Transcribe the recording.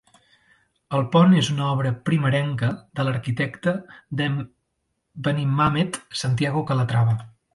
El pont és una obra primerenca de l'arquitecte de Benimàmet, Santiago Calatrava.